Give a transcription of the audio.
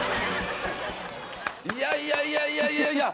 いやいやいやいやいやいや。